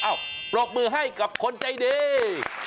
เอ้าปลอกมือให้กับคนใจดี